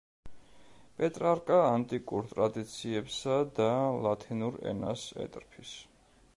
პეტრარკა ანტიკურ ტრადიციებსა და ლათინურ ენას ეტრფის.